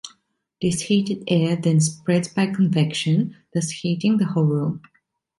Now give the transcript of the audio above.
This heated air then spreads by convection, thus heating the whole room.